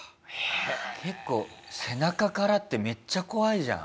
結構背中からってめっちゃ怖いじゃん。